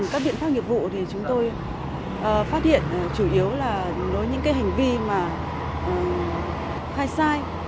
các biện pháp nghiệp vụ thì chúng tôi phát hiện chủ yếu là những hành vi mà khai sai